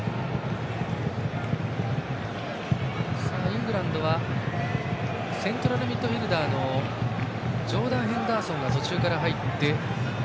イングランドはセントラルミッドフィールダーのジョーダン・ヘンダーソンが途中から入って。